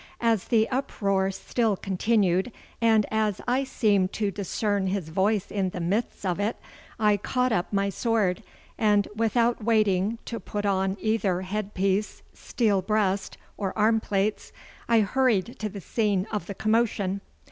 As the uproar still continued, and as I seemed to discern his voice in the midst of it, I caught up my sword, and without waiting to put on either head piece, steel breast, or arm plates, I hurried to the scene of the commotion.